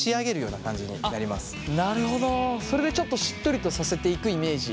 それでちょっとしっとりとさせていくイメージ？